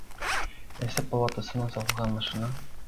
Эсеп палатасына сатылган машина